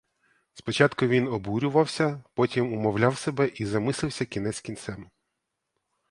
Спочатку він обурювався, потім умовляв себе і замислився кінець кінцем.